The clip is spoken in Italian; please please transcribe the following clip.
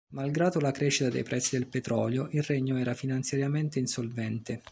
Malgrado la crescita dei prezzi del petrolio, il regno era finanziariamente insolvente.